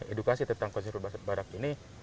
edukasi tentang konservasi badak ini